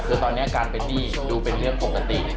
คือตอนนี้การเป็นหนี้ดูเป็นเรื่องปกติ